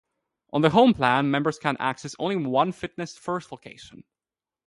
On the "home" plan, members can access only one Fitness First location.